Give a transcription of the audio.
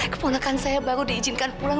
keponakan saya baru diizinkan pulang